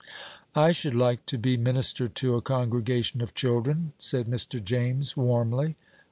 "I should like to be minister to a congregation of children," said Mr. James, warmly.